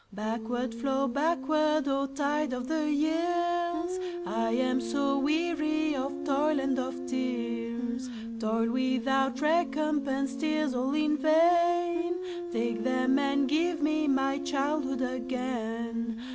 Backward, flow backward, O tide of the years!I am so weary of toil and of tears,—Toil without recompense, tears all in vain,—Take them, and give me my childhood again!